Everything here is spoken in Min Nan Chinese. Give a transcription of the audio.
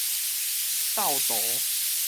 鬥圖